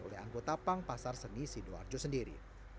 oleh anggota pang pasar seni sidoarjo sendiri